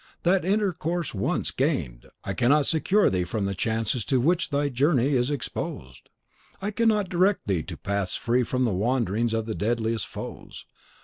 THAT INTERCOURSE ONCE GAINED, I CANNOT SECURE THEE FROM THE CHANCES TO WHICH THY JOURNEY IS EXPOSED. I cannot direct thee to paths free from the wanderings of the deadliest foes.